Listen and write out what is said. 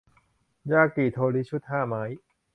ยากิโทริชุดห้าไม้